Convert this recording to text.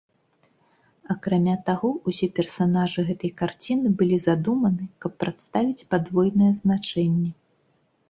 Акрамя таго, усе персанажы гэтай карціны былі задуманы, каб прадставіць падвойнае значэнне.